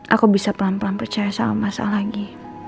aku bisa pelan pelan percaya sama masalah lagi